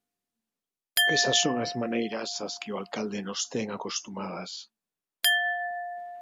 Esas son as maneiras ás que o Alcalde nos ten acostumadas.